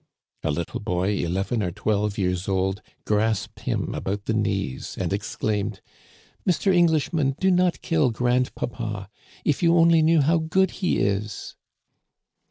A little boy eleven or twelve years old grasped him about the knees and exclaimed :" Mister Englishman, do not kill grandpapa ! If you only knew how good he is